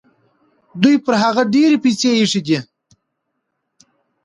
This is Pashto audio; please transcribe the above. دوی پر هغه ډېرې پیسې ایښي دي.